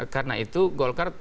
karena itu golkar